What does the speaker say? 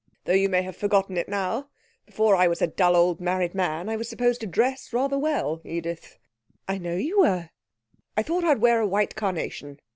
Though you may have forgotten it now, before I was a dull old married man, I was supposed to dress rather well, Edith.' 'I know you were.' 'I thought I'd wear a white carnation.'